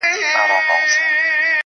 • را معلوم به شیخه ستا هلته ایمان سي,